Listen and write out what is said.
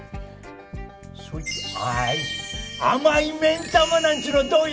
甘い目ん玉なんちゅうのどうよ？